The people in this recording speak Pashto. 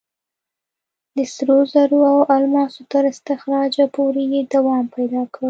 د سرو زرو او الماسو تر استخراجه پورې یې دوام پیدا کړ.